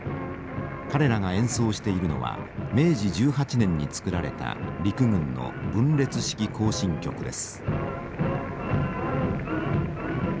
彼らが演奏しているのは明治１８年に作られた陸軍の「分列式行進曲」です。